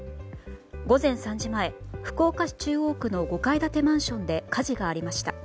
午前３時前、福岡市中央区の５階建てマンションで火事がありました。